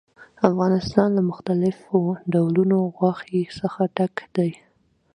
افغانستان له مختلفو ډولونو غوښې څخه ډک دی.